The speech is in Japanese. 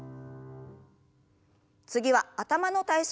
次は頭の体操です。